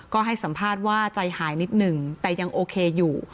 ก็ให้สัมภาษณ์ว่าใจหายนิดหนึ่งแต่ยังโอเคอยู่